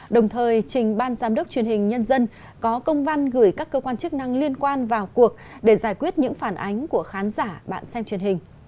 đồng thời trình ban giám đốc truyền hình nhân dân có công văn gửi các cơ quan chức năng liên quan vào cuộc để giải quyết những phản ánh của khán giả bạn xem truyền hình